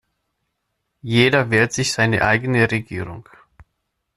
Jeder wählt sich seine eigene Regierung.